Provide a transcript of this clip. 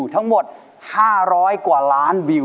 ทั้งหมด๕๐๐กว่าล้านวิว